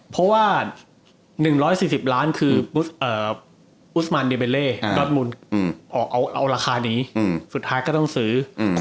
เพราะว่า๑๔๐ล้านคืออุตสมั๊นเดเ